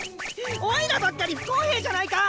おいらばっかり不公平じゃないか！